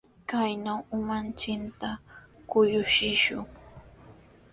Kaynaw umanchikta kuyuchishun.